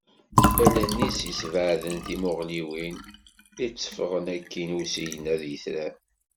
Allen-is yessebɛaden timuɣliwin, itteffɣen akkin i usigna d yitran.